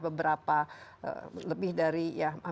beberapa lebih dari